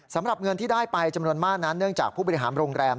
สำหรับเงินที่ได้ไปจำนวนมากนั้นเนื่องจากผู้บริหารโรงแรม